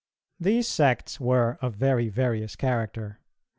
These sects were of very various character.